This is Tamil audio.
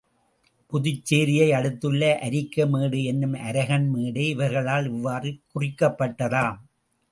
புதுச்சேரியை அடுத்துள்ள அரிக்கமேடு என்னும் அருகன் மேடே இவர்களால் இவ்வாறு குறிக்கப்பட்டதாம்.